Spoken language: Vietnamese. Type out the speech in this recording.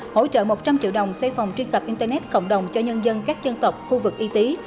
hỗ trợ một trăm linh triệu đồng xây phòng truy cập internet cộng đồng cho nhân dân các dân tộc khu vực y tế